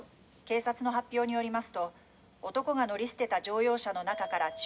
警察の発表によりますと男が乗り捨てた乗用車の中から。